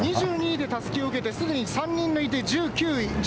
２２位でたすきを受けてすぐに３人抜いて。